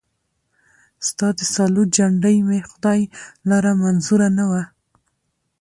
ستا د سالو جنډۍ مي خدای لره منظوره نه وه